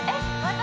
私